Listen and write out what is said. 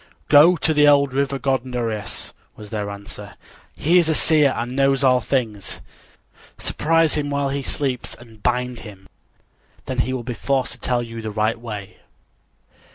"Go to the old river god Nereus," was their answer. "He is a seer and knows all things. Surprise him while he sleeps and bind him; then he will be forced to tell you the right way."